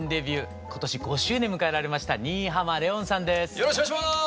よろしくお願いします！